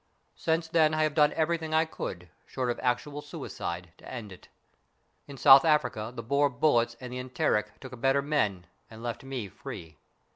Since then I have done everything I could, short of actual suicide, to end it. In South Africa the Boer bullets and the enteric took better men and left me free.